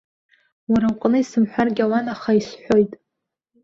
Уара уҟны исымҳәаргьы ауан, аха исҳәоит.